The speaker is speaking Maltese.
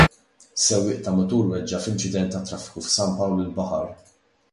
Sewwieq ta' mutur weġġa' f'inċident tat-traffiku f'San Pawl il-Baħar.